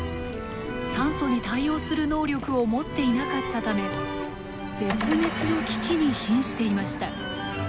酸素に対応する能力を持っていなかったため絶滅の危機にひんしていました。